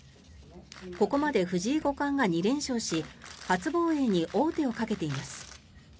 ここまで藤井五冠が２連勝し初防衛に王手をかけています。